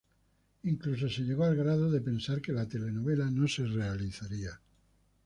Incluso se llegó al grado de pensar que la telenovela no se realizaría.